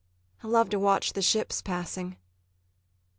I love to watch the ships passing.